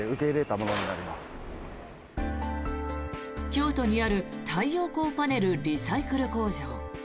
京都にある太陽光パネルリサイクル工場。